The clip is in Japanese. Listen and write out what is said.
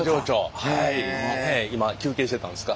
今休憩してたんですか？